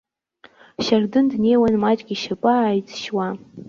Шьардын днеиуан маҷк ишьапы ааиҵшьуа.